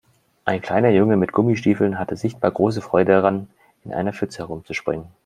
Ein kleiner Junge mit Gummistiefeln hatte sichtbar große Freude daran, in einer Pfütze herumzuspringen.